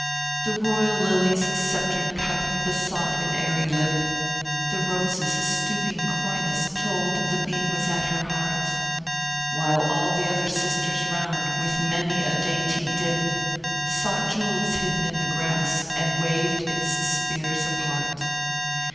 The royal Lily s sceptred cup besought an airy lip, The Rose s stooping coyness told the bee was at her heart, While all the other sisters round, with many a dainty dip, Sought jewels hidden in the grass, and waved its spears apart.